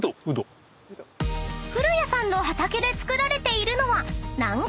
［古谷さんの畑で作られているのは］